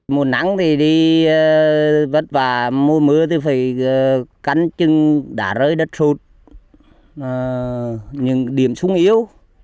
mùa nắng thì đi vất vả mùa mưa thì phải cắn chân đá rơi đất sụt những điểm súng yếu